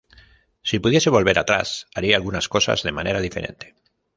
Si pudiese volver atrás, haría algunas cosas de manera diferente".